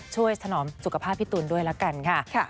ช่วยสนอมสุขภาพพี่ตุ๋นด้วยแล้วกันค่ะ